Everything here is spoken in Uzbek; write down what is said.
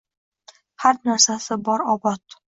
Har narsasi bor obod.